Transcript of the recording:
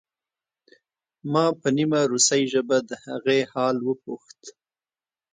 ما په نیمه روسۍ ژبه د هغې حال وپوښت